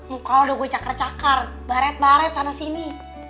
muka udah gue cakar cakar baret baret sana sini